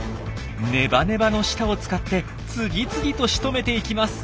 ネバネバの舌を使って次々としとめていきます。